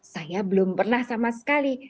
saya belum pernah sama sekali